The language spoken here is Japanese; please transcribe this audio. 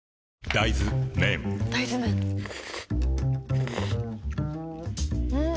大豆麺ん？